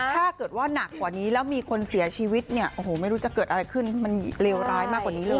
ถ้าเกิดว่าหนักกว่านี้แล้วมีคนเสียชีวิตเนี่ยโอ้โหไม่รู้จะเกิดอะไรขึ้นมันเลวร้ายมากกว่านี้เลย